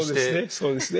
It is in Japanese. そうですね。